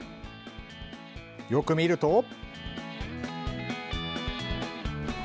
よく見ると。